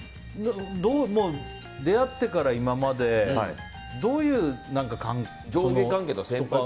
出会ってから今までどういう関係なんですか？